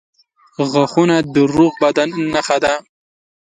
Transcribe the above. • غاښونه د روغ بدن نښه ده.